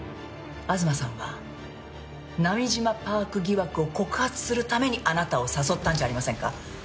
東さんは波島パーク疑惑を告発するためにあなたを誘ったんじゃありませんか？